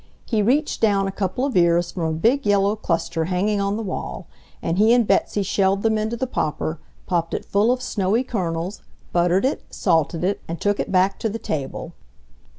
He reached down a couple of ears from a big yellow cluster hanging on the wall, and he and Betsy shelled them into the popper, popped it full of snowy kernels, buttered it, salted it, and took it back to the table.